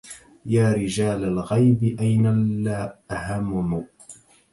يا رجال الغيب أين الهمم